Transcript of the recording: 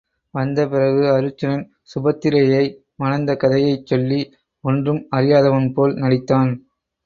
வந்த பிறகு அருச்சுனன் சுபத்திரையை மணந்த கதை யைச் சொல்லி ஒன்றும் அறியாதவன் போல் நடித்தான்.